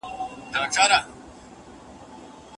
چي اغږلی یې د شر تخم په ذات دی